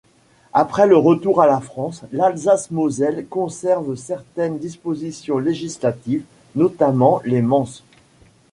Après le retour à la France, l’Alsace-Moselle conserve certaines dispositions législatives, notamment les menses.